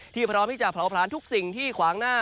พร้อมที่จะเผาผลาญทุกสิ่งที่ขวางหน้า